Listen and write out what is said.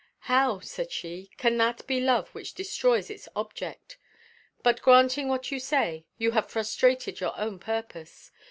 "How," said she, "can that be love which destroys its object? But granting what you say, you have frustrated your own purpose.